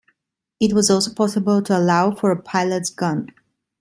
It was also possible to allow for a pilot's gun.